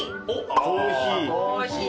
コーヒー。